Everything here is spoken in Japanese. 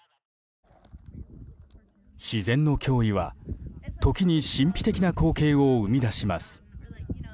自然の脅威は、時に神秘的な光景を生み出します。